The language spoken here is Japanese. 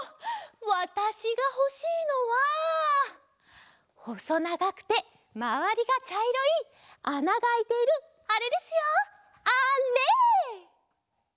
わたしがほしいのはほそながくてまわりがちゃいろいあながあいているあれですよあれ。